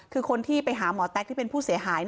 คือคนที่ไปหาหมอแต๊กที่เป็นผู้เสียหาย